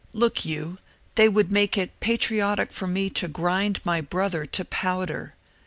Look you, they would make it patri otic for me to grind my brother to powder